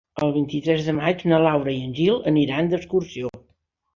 El vint-i-tres de maig na Laura i en Gil aniran d'excursió.